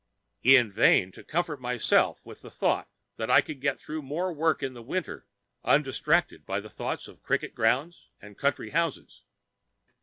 In vain to comfort myself with the thought that I could get through more work in the winter undistracted by thoughts of cricket grounds and country houses.